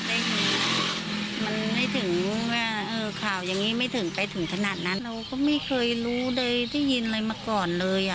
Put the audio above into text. เราก็ไม่เคยรู้ได้ได้ยินอะไรมาก่อนเลย